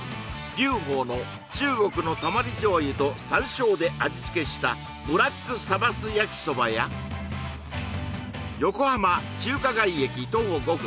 龍鳳の中国のたまり醤油と山椒で味付けしたブラックサバス焼きそばや横浜中華街駅徒歩５分